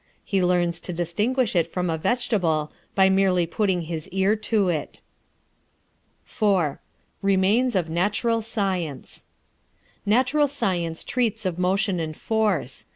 He learns to distinguish it from a vegetable by merely putting his ear to it. IV. REMAINS OF NATURAL SCIENCE. Natural Science treats of motion and force.